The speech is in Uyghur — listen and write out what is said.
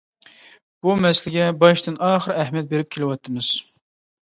بۇ مەسىلىگە باشتىن-ئاخىرى ئەھمىيەت بېرىپ كېلىۋاتىمىز.